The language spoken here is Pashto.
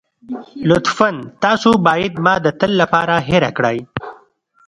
لطفاً تاسو بايد ما د تل لپاره هېره کړئ.